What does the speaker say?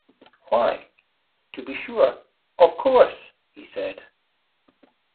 “Why, to be sure — of course!” he said.